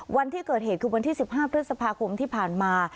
วันที่เกิดเหตุคือวันที่๑๕พฤษภาคมที่ผ่านมา